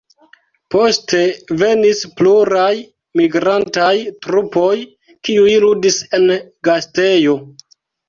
Poste venis pluraj migrantaj trupoj, kiuj ludis en gastejo.